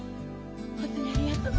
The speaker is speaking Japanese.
本当にありがとね。